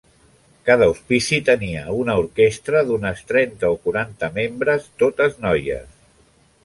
Cada hospici tenia una orquestra d'unes trenta o quaranta membres, totes noies.